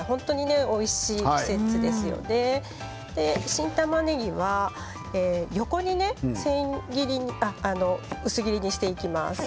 新たまねぎは、横に薄切りにしていきます。